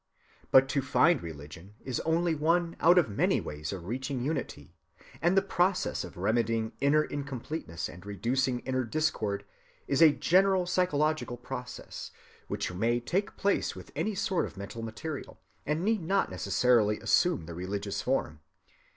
But to find religion is only one out of many ways of reaching unity; and the process of remedying inner incompleteness and reducing inner discord is a general psychological process, which may take place with any sort of mental material, and need not necessarily assume the religious form.